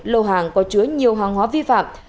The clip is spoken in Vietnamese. lô hàng có chứa nhiều hàng hóa vi phạm